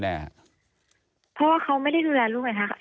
เพราะว่าเขาไม่ได้ดูแลลูกไงคะ